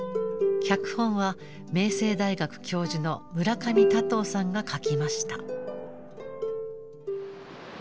脚本は明星大学教授の村上湛さんが書きました。